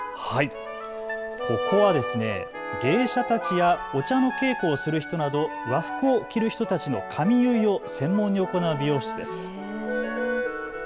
ここは、芸者たちやお茶の稽古をする人など和服を着る人たちの髪結いを専門に行う美容室です。